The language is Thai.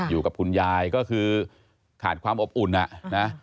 อยู่กับคุณยายก็คือขาดความอบอุ่นอ่ะนะ